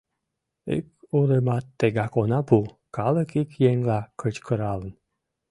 «Ик урымат тегак она пу! — калык ик еҥла кычкыралын.